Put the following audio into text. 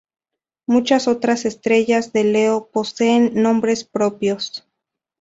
Muchas otras estrellas de Leo poseen nombres propios.